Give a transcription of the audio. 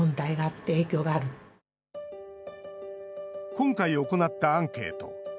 今回行ったアンケート。